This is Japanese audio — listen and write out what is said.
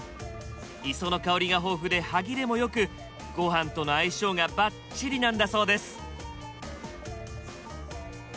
磯の香りが豊富で歯切れも良くごはんとの相性がバッチリなんだそうです。